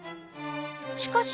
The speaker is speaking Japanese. しかし。